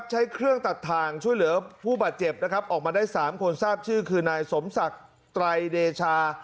ใช้เครื่องตัดทางช่วยเหลือผู้บาดเจ็บนะครับออกมาได้๓คนทราบชื่อคือนายสมศักดิ์ไตรเดชา